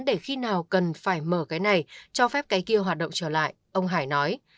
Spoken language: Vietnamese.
để khi nào cần phải mở cái này cho phép cái kia hoạt động trở lại ông hải nói